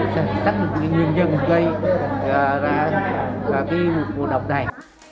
để xác định nguyên nhân gây ra cái ngộ độc này